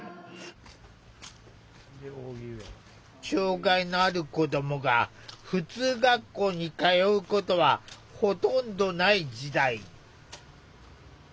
障害のある子どもが普通学校に通うことはほとんどない時代。